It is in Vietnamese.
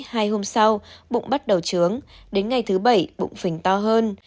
hai hôm sau bụng bắt đầu trướng đến ngày thứ bảy bụng phình to hơn